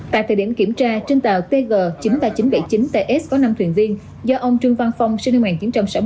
tại thời điểm kiểm tra trên tàu tg chín nghìn ba trăm bảy mươi chín ts có năm thuyền viên do ông trương văn phong sinh năm một nghìn chín trăm sáu mươi chín